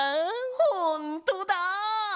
ほんとだ！